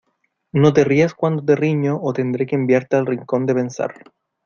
No te rías cuando te riño o tendré que enviarte al rincón de pensar.